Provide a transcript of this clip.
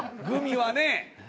グミはね